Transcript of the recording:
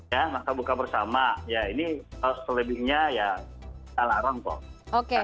ya maka buka bersama ya ini selebihnya ya salah orang kok